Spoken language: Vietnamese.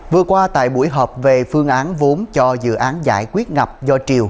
vừa qua tại buổi họp về phương án vốn cho dự án giải quyết ngập do triều